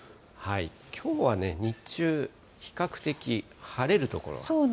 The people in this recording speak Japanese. きょうは日中、比較的晴れる所が。